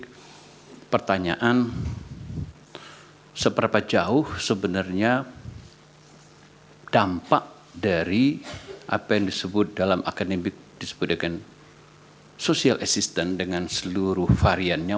pertanyaan seberapa jauh sebenarnya dampak dari apa yang disebut dalam akademik disebut dengan social assistant dengan seluruh variannya